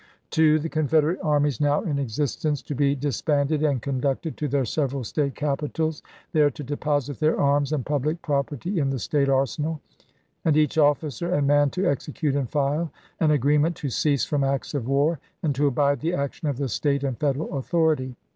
"2. The Confederate armies now in existence to APi.i8,i865. be disbanded and conducted to their several State capitals, there to deposit their arms and public property in the State arsenal ; and each officer and man to execute and file an agreement to cease from acts of war, and to abide the action of the State and Federal authority.